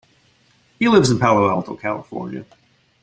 He lives in Palo Alto, California.